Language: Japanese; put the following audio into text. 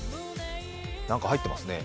何か入ってますね。